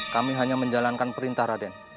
kami hanya menjalankan perintah raden